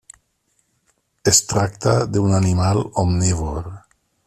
Es tracta d'un animal omnívor.